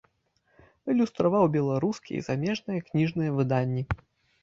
Ілюстраваў беларускія і замежныя кніжныя выданні.